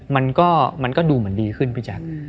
มันก็ดูเหมือนดีขึ้นไปจาก